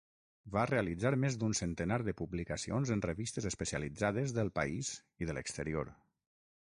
Va realitzar més d'un centenar de publicacions en revistes especialitzades del país i de l'exterior.